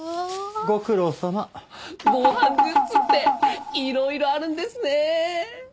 ご苦労さま。防犯グッズっていろいろあるんですね！